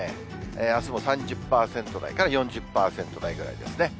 あすも３０％台から４０％台ぐらいですね。